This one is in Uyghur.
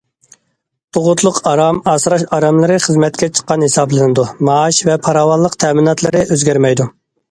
تۇغۇتلۇق ئارام، ئاسراش ئاراملىرى خىزمەتكە چىققان ھېسابلىنىدۇ، مائاش ۋە پاراۋانلىق تەمىناتلىرى ئۆزگەرمەيدۇ.